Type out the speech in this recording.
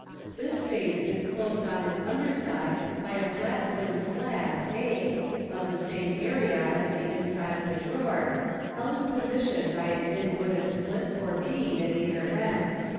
This space is closed on its under side by a flit wooden slab a, of the same area as the inside of the drawer, held in position by a thin wooden slip or bead at either end.